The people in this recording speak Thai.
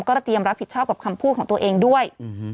เตรียมรับผิดชอบกับคำพูดของตัวเองด้วย